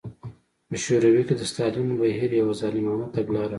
په شوروي کې د ستالین بهیر یوه ظالمانه تګلاره وه.